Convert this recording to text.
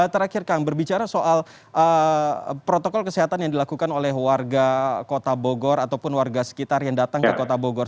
terakhir kang berbicara soal protokol kesehatan yang dilakukan oleh warga kota bogor ataupun warga sekitar yang datang ke kota bogor